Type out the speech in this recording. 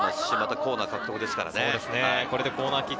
コーナーの獲得ですからね。